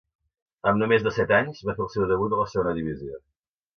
Amb només desset anys va fer el seu debut a la Segona divisió.